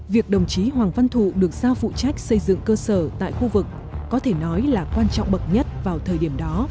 việc đồng chí hoàng văn thụ được sao phụ trách xây dựng cơ sở tại khu vực có thể nói là quan trọng bậc nhất vào thời điểm đó